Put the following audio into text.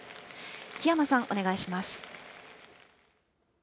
檜山さん、お願いします。